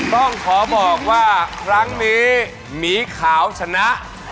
ต้องขอบอกว่าครั้งนี้หมีขาวชนะ